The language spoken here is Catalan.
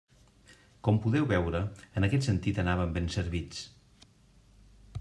Com podeu veure, en aquest sentit anàvem ben servits.